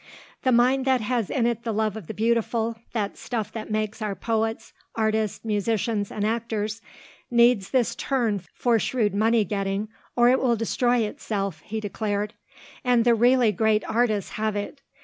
"The mind that has in it the love of the beautiful, that stuff that makes our poets, artists, musicians, and actors, needs this turn for shrewd money getting or it will destroy itself," he declared. "And the really great artists have it.